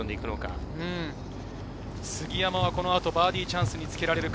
杉山はこの後、バーディーチャンスにつけられるか。